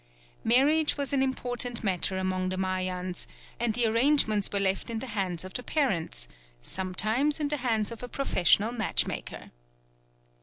Marriage was an important matter among the Mayans, and the arrangements were left in the hands of the parents; sometimes in the hands of a professional matchmaker.